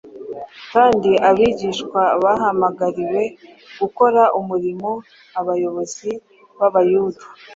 kandi abigishwa bahamagariwe gukora umurimo abayobozi b’Abayuda